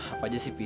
apa aja sih pi